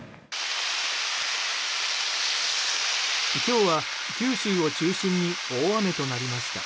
今日は、九州を中心に大雨となりました。